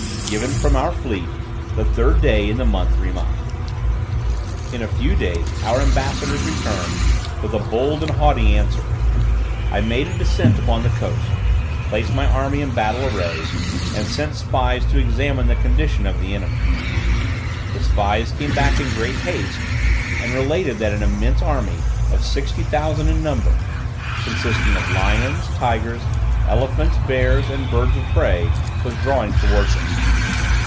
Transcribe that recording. "Given from our fleet, the third day in the month Rimat." In a few days our ambassadors returned with a bold and haughty answer. I made a descent upon the coast, placed my army in battle array, and sent spies to examine the condition of the enemy. The spies came back in great haste, and related that an immense army, of sixty thousand in number, consisting of lions, tigers, elephants, bears and birds of prey, was drawing towards us.